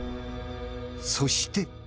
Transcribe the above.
そして。